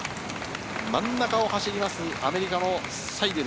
真ん中を走ります、アメリカのサイデル。